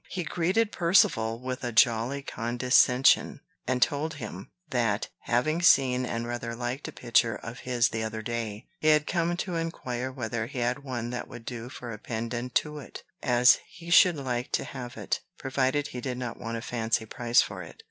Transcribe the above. He greeted Percivale with a jolly condescension, and told him, that, having seen and rather liked a picture of his the other day, he had come to inquire whether he had one that would do for a pendant to it; as he should like to have it, provided he did not want a fancy price for it.